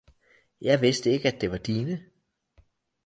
Jeg vidste ikke at det var dine